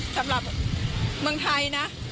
สำหรับเมืองไทยนะ